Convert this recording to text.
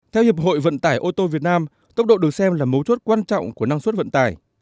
theo hiệp hội vận tải ô tô việt nam tốc độ được xem là mấu chốt quan trọng của năng suất vận tải